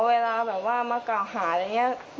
เวลามาก่อหาอะไรอย่างนี้